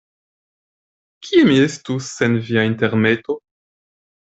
Kie mi estus sen via intermeto?